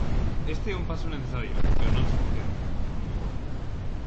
"Este é un paso necesario, pero non suficiente", indicou.